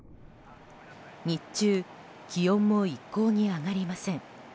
日中、気温も一向に上がりません。